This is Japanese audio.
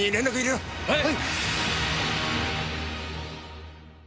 はい！